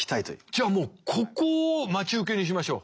じゃあもうここを待ち受けにしましょう。